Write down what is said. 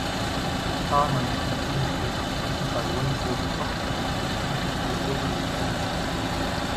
Carmen is continuously frustrated by Winslow's assumption that she should be a liberal feminist.